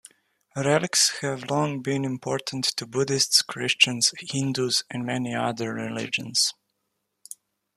Relics have long been important to Buddhists, Christians, Hindus and many other religions.